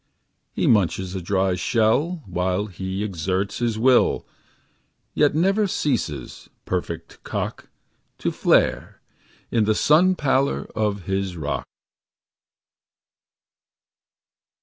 He munches a dry shell while he exerts His will, yet never ceases, perfect cock. To flare, in the sun pallor of his rock.